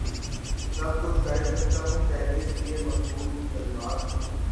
سب کچھ کرسکتا ہوں شاید اس لیے مقبول ہوں سلمان